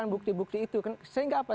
bukti bukti itu sehingga apa